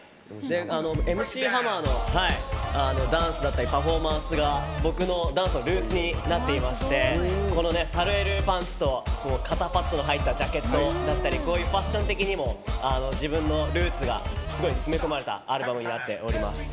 ＭＣハマーのダンスだったりパフォーマンスが僕のダンスのルーツになっていましてこのサルエルパンツと肩パットの入ったシャツだったりファッションが自分のルーツがすごい詰め込まれたアルバムになっています。